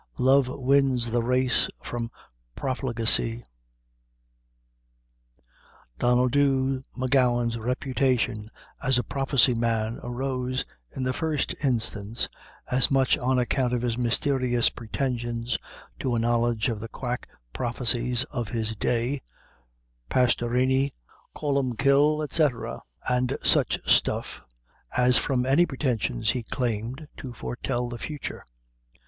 Love Wins the Race from Profligacy. Donnel Dhu M'Gowan's reputation as a Prophecy man arose, in the first instance, as much on account of his mysterious pretensions to a knowledge of the quack prophecies of his day Pastorini, Kolumbkille, &c, and such stuff as from any pretensions he claimed to foretell the future.